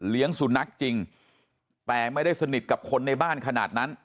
สุนัขจริงแต่ไม่ได้สนิทกับคนในบ้านขนาดนั้น